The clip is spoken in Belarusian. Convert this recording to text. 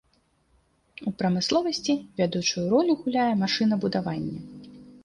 У прамысловасці вядучую ролю гуляе машынабудаванне.